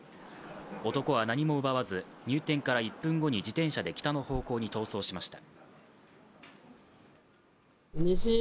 男は何も奪わず、入店から１分後に自転車で北の方向に逃走しました。